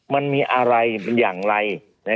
มันมีอะไรอย่างไร